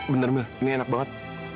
bener bener ini enak banget